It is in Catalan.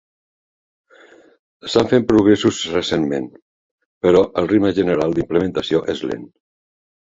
S'han fet progressos recentment, però el ritme general d'implementació és lent.